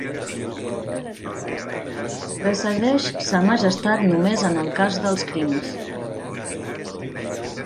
Precedeix sa majestat només en el cas dels crims.